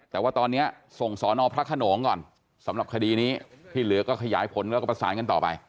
แต่ว่าตอนนี้ส่งสอนอพระขนงก่อนสำหรับคดีนี้ที่เหลือก็ขยายผลแล้วก็ประสานกันต่อไป